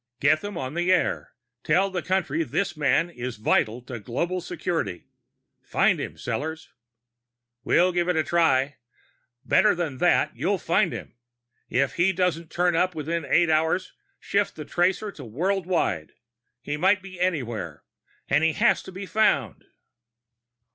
"Get them on the air. Tell the country this man is vital to global security. Find him, Sellors." "We'll give it a try." "Better than that. You'll find him. If he doesn't turn up within eight hours, shift the tracer to world wide. He might be anywhere and he has to be found!"